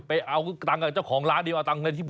ไปเอาตังค์กับเจ้าของร้านดีเอาตังค์เงินที่ผม